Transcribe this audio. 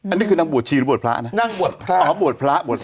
อันนี้คือนางบวชีหรือบวชพระนะอ๋อบวชพระบวชพระ